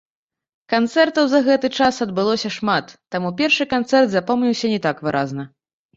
Канцэртаў за гэты час адбылося шмат, таму першы канцэрт запомніўся не так выразна.